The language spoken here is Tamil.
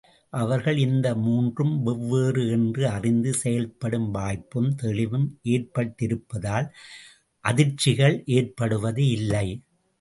அவர்கள் இந்த மூன்றும் வெவ்வேறு என்று அறிந்து செயல்படும் வாய்ப்பும் தெளிவும் ஏற்பட்டிருப்பதால் அதிர்ச்சிகள் ஏற்படுவது இல்லை.